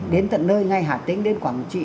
đến tận nơi ngay hà tĩnh đến quảng trị